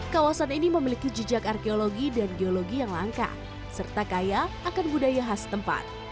kawasan ini memiliki jejak arkeologi dan geologi yang langka serta kaya akan budaya khas tempat